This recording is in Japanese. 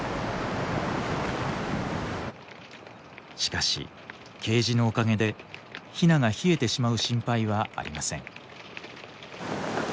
しかしケージのおかげでヒナが冷えてしまう心配はありません。